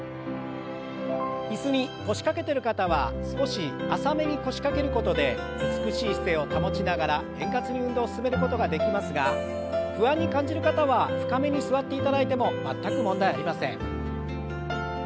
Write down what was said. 椅子に腰掛けてる方は少し浅めに腰掛けることで美しい姿勢を保ちながら円滑に運動を進めることができますが不安に感じる方は深めに座っていただいても全く問題ありません。